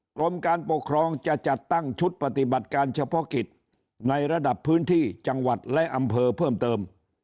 กรมการปกครองจะจัดตั้งชุดปฏิบัติการเฉพาะกิจในระดับพื้นที่จังหวัดและอำเภอเพิ่มเติม